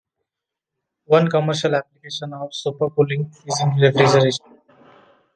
One commercial application of supercooling is in refrigeration.